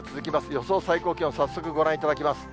予想最高気温、早速ご覧いただきます。